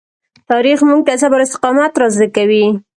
تاریخ موږ ته صبر او استقامت را زده کوي.